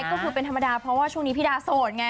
ก็คือเป็นธรรมดาเพราะว่าช่วงนี้พี่ดาโสดไง